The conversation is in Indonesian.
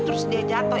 terus dia jatuh